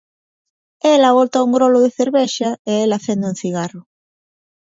Ela bota un grolo de cervexa e el acende un cigarro.